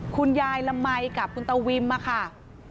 คุณยายละมัยกับคุณตาวิมค่ะ